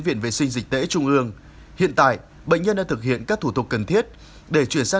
viện vệ sinh dịch tễ trung ương hiện tại bệnh nhân đã thực hiện các thủ tục cần thiết để chuyển sang